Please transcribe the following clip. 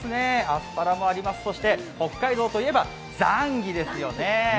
アスパラもありますし、そして北海道といえばザンギですよね。